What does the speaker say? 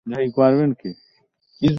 ঠিক এইভাবেই আমরা সাহায্য লাভ করি।